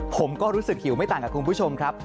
ผมก็รู้สึกหิวไม่ต่างกับคุณผู้ชมครับ